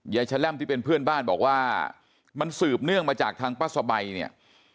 แชล่มที่เป็นเพื่อนบ้านบอกว่ามันสืบเนื่องมาจากทางป้าสบายเนี่ย